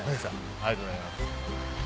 ありがとうございます。